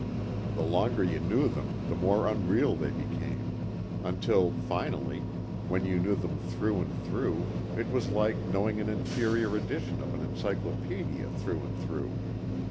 The longer you knew them the more unreal they became. Until finally, when you knew them through and through it was like knowing an inferior edition of an encyclopedia through and through.